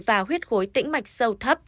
và huyết khối tĩnh mạch sâu thấp